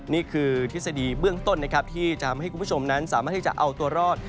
ทฤษฎีเบื้องต้นนะครับที่จะทำให้คุณผู้ชมนั้นสามารถที่จะเอาตัวรอด